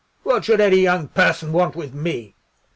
What should any young person want with me?"